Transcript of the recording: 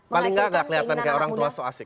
paling gak kelihatan kayak orang tua sok asik